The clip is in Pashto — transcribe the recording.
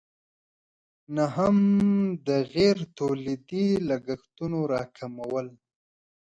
نهم: د غیر تولیدي لګښتونو راکمول.